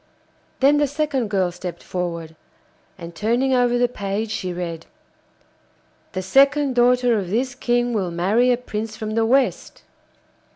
Then the second girl stepped forward, and turning over the page she read: 'The second daughter of this King will marry a prince from the West.